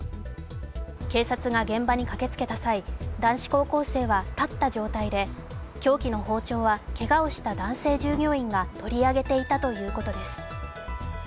警察が現場に駆けつけた際、男子高校生は立った状態で凶器の包丁は、けがをした男性従業員が取り上げていたということです。